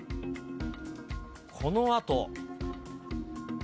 このあと。